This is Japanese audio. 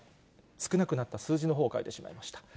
少なくなった数字のほうを書いてしまいました。